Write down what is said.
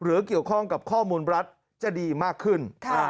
หรือเกี่ยวข้องกับข้อมูลรัฐจะดีมากขึ้น